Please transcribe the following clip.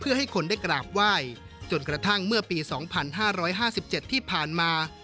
เพื่อให้คนได้กราบไหว้จนกระทั่งเมื่อปี๒๕๕๗ที่ผ่านมา